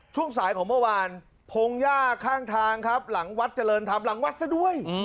ช่วงสายของเมื่อวานพงหญ้าข้างทางครับหลังวัดเจริญธรรมหลังวัดซะด้วย